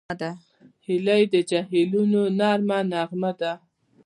هیلۍ د جهیلونو نرمه نغمه ده